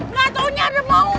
enggak taunya ada mau